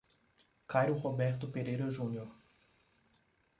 Cairo Roberto Pereira Junior